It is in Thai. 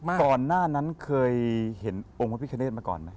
ก่อนหน้านั้นเคยเห็นองค์พระพิคเนธมาก่อนไหม